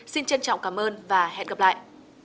xin trân trọng cảm ơn và hẹn gặp lại